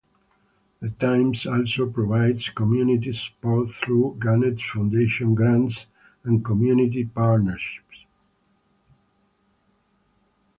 The Times also provides community support through Gannett Foundation grants and community partnerships.